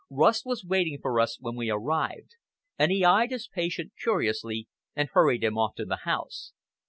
Rust was waiting for us when we arrived, and he eyed his patient curiously, and hurried him off to the house.